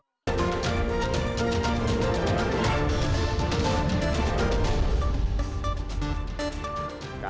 pertanyaan yang paling penting